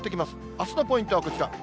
あすのポイントはこちら。